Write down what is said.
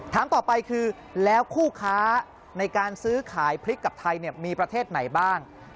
ถามต่อไปคือแล้วคู่ค้าในการซื้อขายพริกกับไทยมีประเทศไหนบ้าง